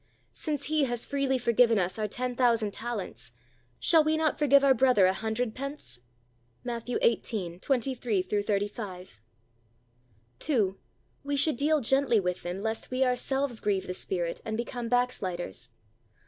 Since He has freely forgiven us our ten thousand talents, shall we not forgive our brother a hundred pence? (Matt. i8: 23 35.) 2. We should deal gently with them lest we ourselves grieve the Spirit and become backsliders.